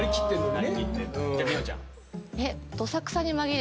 「何？」